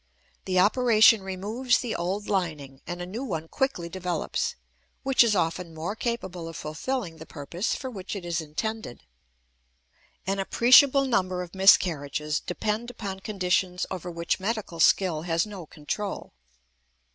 The operation removes the old lining; and a new one quickly develops, which is often more capable of fulfilling the purpose for which it is intended. An appreciable number of miscarriages depend upon conditions over which medical skill has no control.